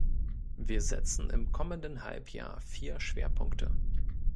Wir setzen im kommenden Halbjahr vier Schwerpunkte.